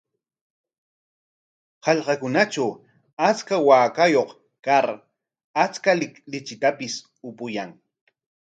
Hallqakunatraw achka waakayuq kar achka lichitapis upuyan.